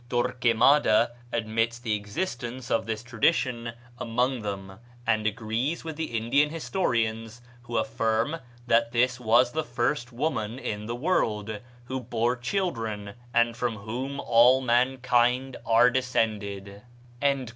Torquemada admits the existence of this tradition among them, and agrees with the Indian historians, who affirm that this was the first woman in the world, who bore children, and from whom all mankind are descended."